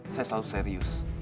saya selalu serius